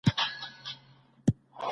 آيا د بيمې شرکتونه په سمه توګه فعاليت کوي؟